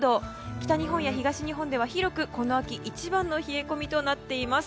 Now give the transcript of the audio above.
北日本や東日本では広く、この秋一番の冷え込みとなっています。